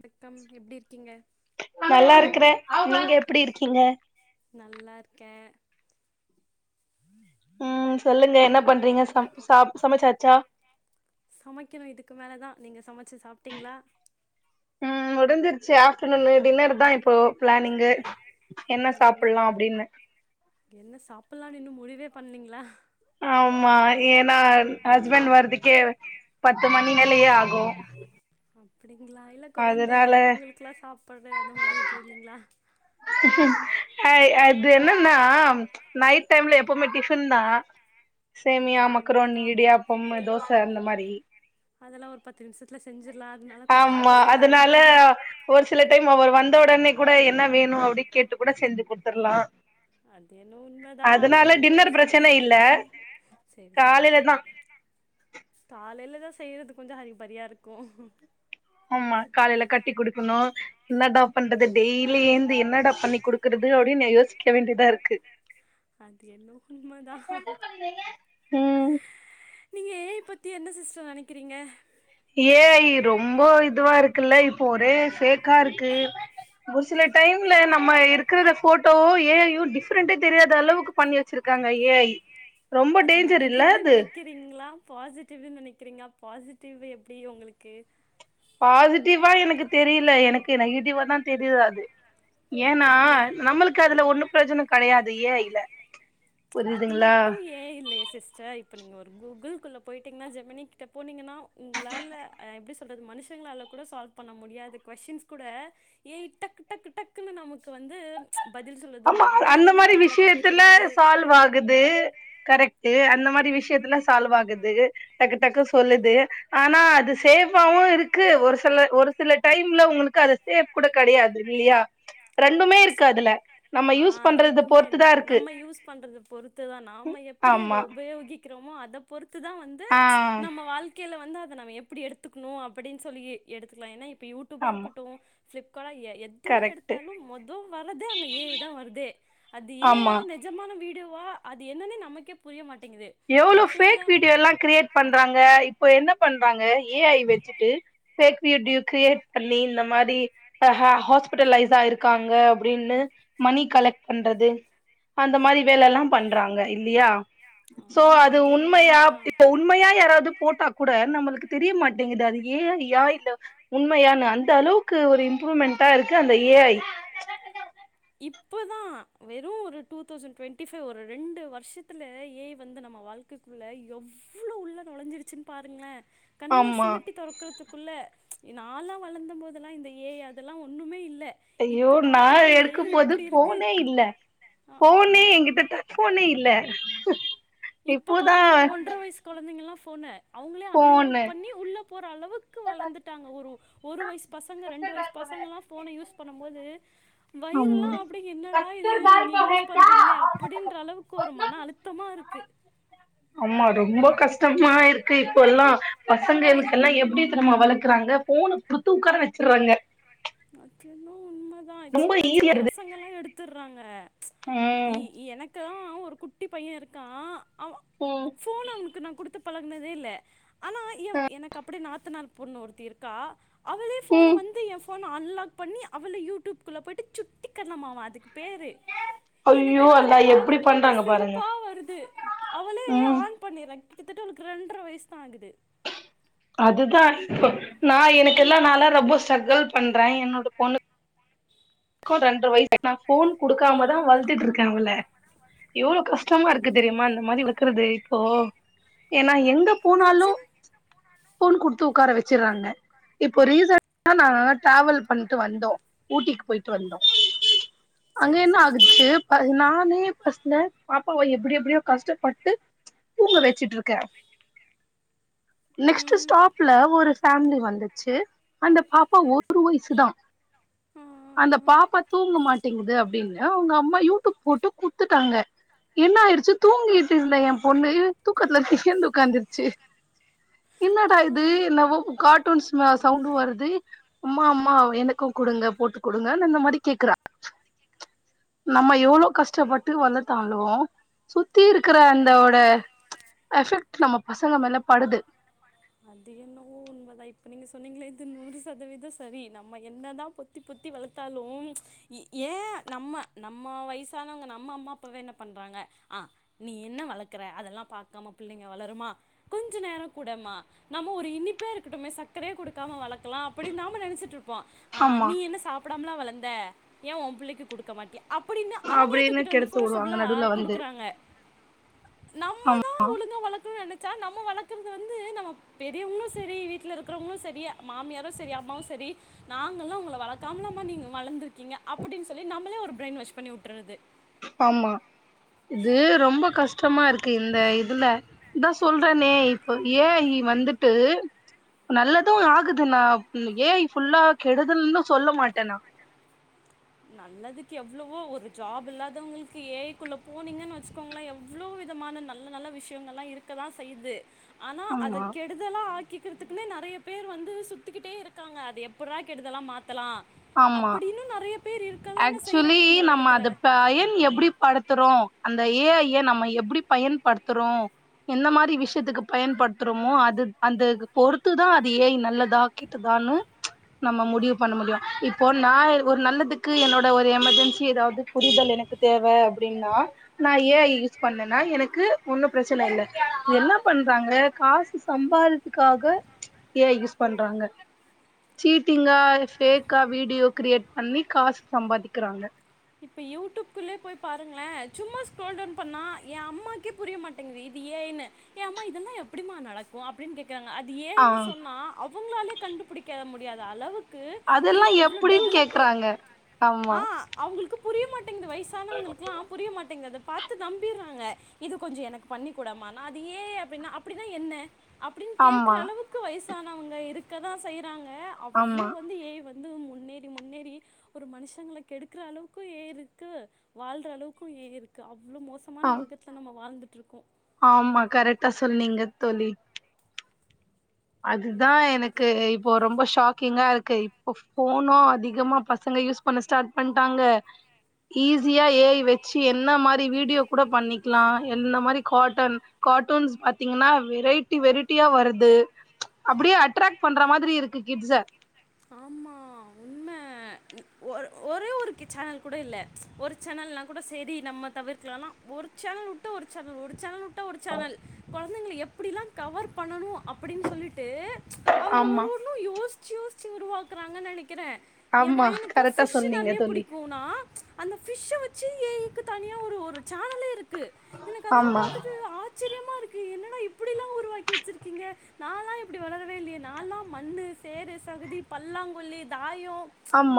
வணக்கம் எப்டி இருக்கீங்க க்கறே நீங்க எப்டி இருக்கீங்க நல்லா இருக்கே உம் சொல்லுங்க என்ன பண்றீங்க சம் சாப் சமைச்சாச்சா சமைக்கணு இதுக்கு மேலதா நீங்க சமச்சு சாப்ட்டீங்களா ம் முடிஞ்சிருச்சு ஆஃப்டர்நூனு டின்னர் தா இப்போ பிளானிங்கு என்ன சாப்புட்லா அப்டின்னு என்ன சாப்பிடலானு இன்னு முடிவே பண்ணீங்ளா ஆமா ஏன்னா ஹஸ்பெண்ட் வரதுக்கே பத்து மணி மேலயே ஆகு அ [unintelligible] அப்டிங்களா இல்ல கொழந்த அதனால அவுங்களுக்குல்லா சாபட்டு அந்த மாதிரி எதுவு இல்லிங்களா ஏய் அது என்னன்னா நைட் டைம்ல எப்பவுமே டிஃபன் தா சேமியா அது என்னவோ மக்கரோனி உண்மதா இடியாப்பம் அதா தோச அந்த மாரி அதெல்லா ஒரு பத்து நிமிஷத்துல செஞ்சிடலா அதனால கொஞ்சோ ஆமா லேட்டா செய்யலானா அதனால ஒரு சில டைம் அவர் வந்த ஓடனே கூட என்ன வேணு அப்டின்னு கேட்டு கூட செஞ்சு கொடுத்துடலா அது என்னு உண்மதா அப்டி இருக்கிறதா வசதி பிரச்சன இல்ல செரி செரி காலைல தா செரி காலைலதா செய்றது கொஞ்சோ அரி பரியா இருக்கு ஆமா காலையில கட்டி குடுக்கணு என்னடா பண்றது டெய்லி யேந்து என்னடா பண்ணி குடுக்குறது அப்டின்னு நா யோசிக்க வேண்டியதா இருக்கு அது என்னோ உண்மதா உம் நீங்க ஏஐ பத்தி என்ன சிஸ்டர் நினைக்கிறீங்க ஏஐ ரொம்போ இதுவா இருக்குல்ல இப்போ ஒரே ஃபேக்கா இர்க்கு ஒரு சில டைம்ல நம்ம இருக்கிற போட்டோ ஏஐயு டிஃப்ரெண்ட்டே தெரியாத அளவுக்கு பண்ணி வச்சிருக்காங்க ஏஐ அது நெகட்டிவ் நெனைக்கிறீங்களா பாசிட்டிவ் நெனைக்கிறீங்க பாசிட்டிவ் டிவி எப்டி உங்களுக்கு பாசிட்டிவா எனக்கு தெரில எனக்கு நெகட்டிவ தா தெரியிது அது ஏன்னா அப்டிங்களா நம்மளுக்கு ஆ அதுல ஒண்ணு பிரஜோனோ கிடையாது ஏஐ ல அது மட்டு ஏஐ இல்லயே சிஸ்டர் இப்ப நீங்க ஒரு கூகுள் குள்ள போயிட்டீங்கன்னா ஜெமினி கிட்ட போனீங்கன்னா உங்களால எப்டி சொல்றது மனுஷங்களால கூட சால்வ் பண்ண முடியாது கொஸ்டின்ஸ் கூட ஏஐ டக் டக் டக்குனு நமக்கு வந்து பதில் சொல்லுது ஒரு ஆமா வேலயில்லனா வேல காட்டி குடுக்குது க்குது கரெக்ட்டு அந்த மாதிரி விஷயத்துலா சால்வ் ஆகுது டக்கு டக்கு சொல்லுது ஆனா அது சேபாவு இருக்கு ஒரு சில ஒரு சில டைம்ல உங்களுக்கு அது சேப் கூட கிடையாது இல்லியா ரெண்டுமே இருக்கு அதுல நம்ம யூஸ் ஆஹ் பண்றத ரெண்டுமே பொறுத்துதா இருக்கு நம்ம யூஸ் பண்றது பொறுத்துதான் நம்ம எப்படி அத ஆமா உபயோகி [unintelligible] அத பொறுத் அது தா வந்து ஆ நம்ம வாழ்க் கீழ வந்தா அத நம்ம எப்பிடி எடுத்துக்குணு அப்படின்னு சொல்லி எ எடுத்துக்கலா ஏன்னா இப் ப்ப யூடூபா ஆமா இருக்கட்டு ஸ்லிப் கொல எ எத்துவு கரெக்ட்டு எடுத்தாலு மொதொ வரதே அந்த ஏ ஐ த் தா வருதே அது ஆமா ஏஐயா நெஜமான வீடியோ வா அது என்னன்னே நமக்கே புரிய மாட் எவ்வுளோ ஃபவேக் வீடியோ எல்லா கிரியேட் பண்றாங்க இப்ப என்ன பண் றாங்க ஏ ஐ வெச்சுட்டு ஃபவேக் வீடியு ஃகிரியேட் பண்ணி இந்த மாதிரி ஹ ஹாஸ்ப்பிட்ல்லைஸா இருக்காங்க அப்பிடின் மணி கலக்ட் பண்றது அந்த மாரி வேல எல்லா பண்றாங்க இல்லியா சோ ஆமா அது என்னமோ உண்மையா உண்மதா இப்ப உண்மையா யாராவுது போட்டா கூட நம்ளுக் தெரியமாட்டேங்குது அது ஏ ஐயா இல்ல உண்மையானு அந்த அளவுக்கு ஒரு இம்ப்ரூவ்மெண்டா இருக்கு அந்த ஏ ஐ இப்பதா வெறு ஒரு டூ தௌசண்ட் டொண்ட்டி ஃபைவ் ஒரு ரெண்டு வருஷத்துல ஏ ஐ வந்து நம்ம வாழ்க்கைக்குள்ள எவ்வுளோ உள்ள நுழஞ்சிருச்சின் பாருங்குளே கண்ணோ ஆமா சிமிட்டி தொறக்கறதுக் குள்ள நால்லா வளந்த போதுல்லா இந்த ஏ ஐ அதெல்லா ஒண்ணுமே இல் ஐயோ நா எடுக் க்கு போது இருக்கு ஃபோனே இல்ல ஆ ஃபோனே எங்கிட்ட டச் ஃபோனே இல்ல க இப்ப பாருங்க ஒன்ற வயிசு கொழந்திங்குல்லா ஃபோன்ன அவுங்குளே அன்லாக் ஃபோனு பண்ணி உள்ள போற அளவுக்கு வளந்துட்டாங்க ஒரு ஒரு வயிசு பசங்க ரெண்டு வயிஸ் பசங்கல்லா ஃபோன யூஸ் பண்ணம் போது வயிறுலா ஆமா அப்டி என்னடா இது நீங்க யூஸ் பண்றீங்குளே அப்பிடின்ற அளவுக்கு ஒரு மன் னா அலுத்தமா இருக்கு அம்மா ரொம்ப கஷ்டமா இருக்கு இப்புல்லா பசங்களுக்குல்லா எப்டித்திரிமா வளக்குறாங்க ஃபோனு குடுத்து உக்கார வெச்சுடுறாங்க வாட் யு நோ உம்மதா சின்ன சின்ன ஈஸியா இருக்குது பசங்கல்லா எடுத்துறாங்க ம் இ எனக்கல்லா னு ஒர் குட்டி பைய இருக்கா ஆவ ம் ஃபோன் அவுனுக் நா குடுத்த பழகுனதே இல்ல அனா இயம் எனக் அப்டி நாத்தனார் பொண்ணு ஒருத்தி இருக்கா அவளே ஃபோன ம் வந்து எஃப் ஃபோன அன்லாக் பண்ணி அவுளே யூடுப்க்குள்ள போயிட்டு சுட்டிகண்ணமா அதுக் பேரு ஐயோ எனக்கெல்லா அத அல்லா எப்டி பாக்க பாக்க பண்றாங்க பாருங்க சிரிப்பா வருது அவளே ம் ஆன் பண்ணிறா கிட்டதட்ட அவுளுக் ரெண்டர வயிசுதா ஆகுது அதுதா இப்ப நா எனக்குல்லா நால்லா ரொம்போ ஸ்ட்ரக்குல் பண்றா என்னோட பொண்ணுக் கொ ரெண்டர வயிசுனா ஃபோன் குடுக்காம தா ம் வளத்திட்ருக்க இவல எவ்ளோ கஷ்டமா இருக்கு தெரியுமா இந்த மாரி இருக்கறது இப்போ ஏ நா எங்க போனாலு நிஜம் போன் குடுத்து உக்கார வச்சுறாங்க இப்போ ரீசனா நா டிராவல் பண்ட்டு வந்தோ ஊட்டிக்கு போயி வந்தோ அங்க சரி என்ன சரி ஆகுச்சு ப நானே ஃபஸ்ட்ல பாப்பாவை எப்டி எப்புடியோ கஷ்டப்பட்டு தூங்க வச்சுட் இருக்க நெக்ஸ்ட்டு ம் ஸ்டாப்ல ஒரு ஃபேம்லி வந்துச்சு அந்த பாப்பா சரி ஒரு வய்சுதா ம், பாப்பா தூங்க மாட்டேங்குது அப்டின்னு அவங்க அம்மா யூடியூப் போட்டு குத்துட்டாங்க என்ன ஆயிடுச்சு தூங்கிட் இருந்த எ பொண்ணு தூக்கத்துல எழ்ந்து உக்காந்துர்ச்சு என்னடா இது பாரு என்னவோ காட் [unintelligible] வ சவுண்டு வருது அம்மா அம்மா எனக்கு குடுங்க போட்டுத் குடுங்க னு இந்த மாரி கேக்குறா நம்ம எவ்ளோ கஷ்டப்பட்டு வளத்தாலு சுத்தி இருக்கிற அந்தோட எஃபெக்ட் நம்ம பசங்க மேல படுது அது என்னவோ உண்மதா இப்ப நீங்க சொன்னீங்களே இது நூறு சதவீத சரி நம்ம என்னதா பொத்தி பொத்தி வளத்தாலு எ நம்ம நம்ம வய்சானவங்க நம்ம அம்மா அப்பாவ என்ன பண்றாங்க ஆ நீ என்ன வளக்கற அதெல்லா பாக்காம பிள்ளைங்க வளருமா கொஞ்ச நேரோ குடேமா நம்ம ஒரு இனிப்பே இருக்கட்டுமே சக்கரயே குடுக்காம வளக்கலா அப்படின் நாம நெனைச்சிட்டுருப் வா ஆமா நீ என்ன சாப்பி [unintelligible] லா வளந்த ஏ உம்பிள்ளைக்கு குடுக்க மாட்டியா அப்படின்னு அவங்களே அப்டின்னு தூக்கிட்டு வந்து கெடுத்து வுடுவாங்க ஃபோர்சபலா நடுவுல வந்து குடுக்குறாங்க நம்ம ஆமா தா ஒலுங்கா வளத்தோ [unintelligible] தா நம்ம வளக்கறது வந்து நம்ம பெரியவங்களு செரி வீட்ல இருக்கிறவங்களு செரி மாமியாரு செரி அம்மாவு செரி நாங்களல்லா உங்கள வளக்காம்லா ம நீங்க வளந்திருக்கீங்க அப்படின் சொல்லி நம்மளே ஒரு பிரைன் வாஷ் பண்ணி உட்டுறது ஆமா இது ரொம்ப கஷ்டமா இருக்கு இந்த இதுல இதா சொல்றேனே இப்ப ஏ ஐ வந்துட்டு நல்லது ஆகுது நா ஏ ஐ ஃபுல்லா கெடுதல்னு சொல்ல மாட்டே நா நல்லதுக்கு எவ்வளவோ ஒரு ஜாப் இல்லாதவங்களுக்கு ஏ ஐ க்குள்ள போனீங்கன்னு வச்சுக்கோங்களே எவ்ளோ விதமான நல்ல நல்ல விஷயங்கள்லா இருக்க தா செய்யிது ஆனா அத ஆமா கெடுதலா ஆக்கிக் க்கறதுக்கனே நெறைய பேர் வந்து சுத்திக்கிட்டே இருக்காங்க அத எப்பிட்றா கெடுதலா மாத் லா அப்படின்னு நெறையப் ஆக்ஸுலி நம்ம அத பயன் எப்படி படுத்தறோ அந்த ஏ ஐ ய நம்ம எப்டி பயன்படுத்துறோ எந்த மாரி விஷ்யத்துக்கு பயன்பட்த்துறோமோ அது அந்த பொறுத்துதா அது ஏ ஐ நல்லதா கெட்டுதானு நம்ம முடிவு பண்ண முடியு இப்போ நா ஒரு நல்லதுக்கு என்னோட ஒரு எமெர்ஜென்சி எதாவ்து புரிதல் எனக்கு தேவ அப்புடின்னா நா ஏ ஐ யூஸ் பண்ணன்னா எனக்கு ஒன்னு பிரச்சன இல்ல என்னா பண்றாங்க காசு சம்பாரத்துக்காக ஏ ஐ யூஸ் பண்றாங்க சீட்டிங்கா ஃபேக் கா வீடியோ கிரியேட் பண்ணி காசு சம்பாதிக்கிறாங்க இப்ப யூடிடூப்க்குள்ளே போய் பாருங்ளே சும்மா ஸ்குரோல்டௌன் பண்ணா எ அம்மாக்கே புரிய மாட்டேங்குது இது ஏ ஐ னு எ அம்மா இதலா எப்புடிமா நடக்கு அப்டின் கேக் [unintelligible] அது ஏ ஐ ஆ ன்னு சொன்னா அ உங்ளாலே கண்டுபிடிக்க முடியாத அளவுக் அதெல்லா எப்புடின் கேக்குறாங்க ஆமா இந்த வய்சானவங்ளுக்குல்லா புரிய மாட்டேங்குது பார்த்து நம்பிறாங்க இது கொஞ்சோ எனக்கு பண்ணிக்குடமா அது ஏ அப்டின்னா அப்டின்னா என்ன அப்டின்னு கேகுற ஆமா அளவுக்கு வயசு வயசானவங்க இருக்கதா செய் இருக்காங்க அவ்ளோ ஆமா வந்து ஏ ஐ வந் இது முன்னேறி முன்னேறி ஒரு மனுஷங்கள கெடுக்குற அளவுக் இப்ப ஏ ஐ ருக்கு வாழ்ற அளவுக்கு ஏ ஐ ருக்கு அவ் அவ்ளோ ஆ மோசமான ஒலகத்துல நம்ப வாழ்ந் ட்ருக்கோ [unintelligible] ஆமா கரெக்டா சொன்னீங்க தோழி அதுதா என்ன பண்ணுறது எனக்கு இப்போ ரொம்ப ஷாக்கிங்கா இருக்கு இப்போ ஃபோனோ அது அதிகமா பசங்க யூஸ் பண்ண ஸ்டார்ட் பண்ணிட்டாங்க ஈஸியா ஏ ஐ வெச்சி என்ன மாரி வீடியோ கூட பண்ணிக்கலா என்ன மாரி காட்டன் காட்டூன்ஸ் பாத்தீங்கன்னா வெரைட்டி வெரைட்டியா வரது அப்டியே அட்ராக் பண்ற மாரி இருக்கு கிட்ஸ ஆமா உண்ம ஒரே ஒரு சேனல் கூட இல்ல ஒரு சேனல்னா கூட சேரி நம்ப தவிர்க்கலானா ஒரு சேனல் வுட்டு ஒரு சேனல் ஒரு சேனல் வுட்டா ஒரு சேனல் கொழ புள்ளைங்கள எப்டில்லா கவர் பண்ணனு அப்டின்னு சொல்லிட்டு அவுங்க ஆமா ஒரு ஒன்னு யோஷ் சஜுஸ் வச்சி உருவாக்குறாங்கனு நென கிறே ஏ ஆமா பையனுக்கு கரெக்டா ஃபிஷு சொன்னீங்க நெறைய தோழி புடிக்குனா அந்த ஃபிஷ வெச்சி ஏ ஐ தனியா ஒரு ஒரு சேனலே இருக் எனக்கு அதெல்லா ஆமா பாத்துட்டு ஆச்ச இருக்கு என்னடா இப்டில்லா உருவாக்கி வெச்சிருக்கீங்க நானெலா இப்டி வெளாடவே இல்லயே நாலா மண்ணு சேரு சகுதி பல்லாங்குழி தாய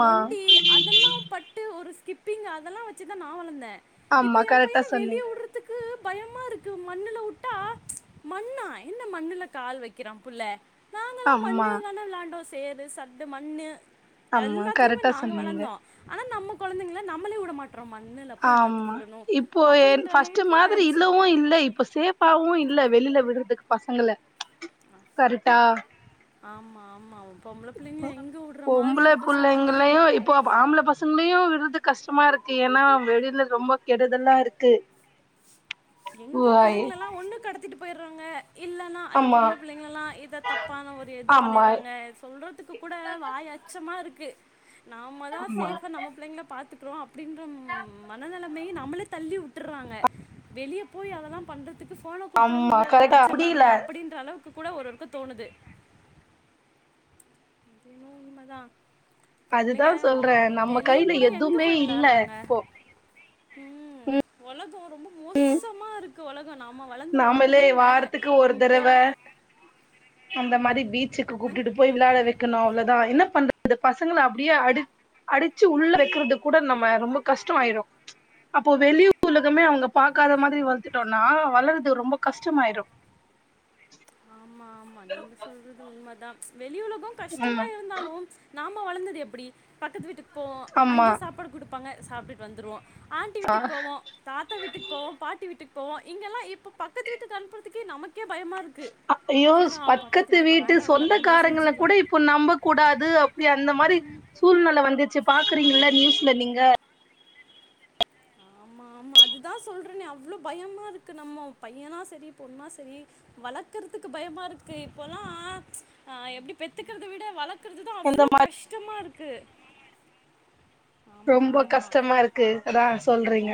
[inaudible] நொண்டி அதெல்லா பட்டு ஒரு கிப்பிங் அதெலா வெச்சிதா நா வளந்தே இப்ப ஆமா ஏ கரெக்டா பையன வெளிய சொன்னீங்க வுடுறதுக்கு பயமா இருக்கு மண்ணுல வுட்டா மண்ணா என்ன மண்ணுல கால் வெக்கிறா புள்ள நாங்கெல்லா ஆமா மண்ணுல தானே விளாண்டோஸ் சேரு சட்டு மண்ணு ஆமா எல்லாத்துலயுமே கரெக்டா நாங்க சொன்னீங்க வளர்ந்தோ ஆனா நமக் கொழந்தைகள நம்மளே வுட மாட் ஆமா இப்போ என் அப்படின்ற ஃபஸ்ட்டு அளவுக்கு மாதிரி ஆயிடுச்சு இல்லவு இல்ல இப்ப சேஃப்பாவு இல்ல வெளியில விடுறதுக்கு பசங்கள ஆ கரெக்டா கருட்டா ஆமா ஆமா [inaudible] எங்க விடுற மாரி பொம்பளை இருக்கு சொல்லுங்க பிள்ளைங்களையும் இப்போ ஆம்பளை பசங்களையும் விருது கஷ்டமா இருக்கு ஏன்னா வெளியில ரொம்ப கெடுதலா இருக்கு. எங்க வாய் பிள்ளைங்களலாம் ஒண்ணு கடத்திட்டு இல்லைன்னா அது ஆமா பொம்பல பிள்ளைங்களல்லாம் இதை தப்பான ஒரு இது ஆமா பண்ணறாங்க சொல்றதுக்கு கூட வாய் அச்சமா இருக்கு. கு [unintelligible] நாம்ம தா ஆமா சேஃபா நம்ம புள்ளைங்கள பாத்துக் அப்ரோ அப்டின்ற மனநிலமைபேய் நம்மளே தள்ளி உட்டுற்றாங்க வெளியே போய் அதல்லா பண்றத் அதுக்கு ஃபோன குடுத்தாவது ஆமா உள்ளே உக்கார கரெக்டா வெச்சறலாமே முடியல அப்பிடின்ற அளவுக்கு கூட ஒரு தோணுது அதுவு உண்மதா இப்ப அதுதா புள்ளைங்க சொல்றே நம்ம வெளிய கையில கூட எங்க எதுவுமே போய் இல்ல விளயாட்றாங்க ம் ஒலகொ ரொம்ப மோஸ்சமா இருக் கு ஒல நம்மளே வாரத்துக்கு ஒரு நம் போ தடவ அந்த மாரி பீச்சுக்கு கூப்டுட்டு போய் விளாட வெக்கணு அவ்ளோ நா என்ன [inaudible] பசங்கள அப்டியே அடி அடிச்சு உள்ள வெக்கறது கூட நம்ம ரொம்ப கஷ்டொ ஆய்ரு அப்போ வெளி உலகமே அவுங்க பாக்காத மாதிரி வளத்துட்டோன்னா வளர் இது ரொம்ப கஷ்டமாய்ரும் ஆமா ஆமா நீங்க சொல்றது உண்மதா வெளி உலகோ கஷ்டமா ஆமா இருந்தாலு நாம வளந்தது எப்பிடி பக்கத்து வீட்டுக் போவொ ஆமா அங்யே சாப்பாடு குடுப்பாங்க சாப்டுட் வந்துருவோ ஆண்டி வீட்டுக் போவோ தாத்தா வீட்டுக் போவோ பாட்டி வீட்டுக் போவோ இங்கெல்லா இப்பொ பக்கத்து வீட்டுக் அனுப்புறதுக்கே நமக் கே பயமா இருக்கு என்னடா [unintelligible] பக்கத்து வீட்டுக்கா வீட்டு வேண்டா வேண்டா நம்மளே சொந்தக்காரங்கள செஞ்சுக்கலா கூட இப்போ நம்பக்கூடாது அப்டிய அந்த மாரி சூழ்நல வந் துச்சு பாக்குறீங்கள நியூஸ்ல நீங்க ஆமா ஆமா அதுதா சொல்றனே அவ்ளோ பயம்மா இருக்கு நம்ம பையனா செரி பொண்ணா செரி வளக்கறதுக்கு பயம்மா இருக்கு இப்பல்லா ஆ எப்டி பெத்துக்கறத விட வளக் கறதுதா அந்த அவ்ளோ மாரி கஷ்டமா இருக்கு ஆமா ரொம்ப ஆமா கஷ்டமா இருக்கு அதா சொல்றீங்க